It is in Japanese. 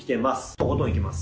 とことんいきます。